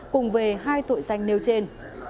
cùng về hai tội danh nêu trên